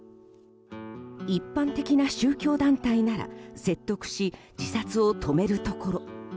一般的な宗教団体なら説得し、自殺を止めるところ。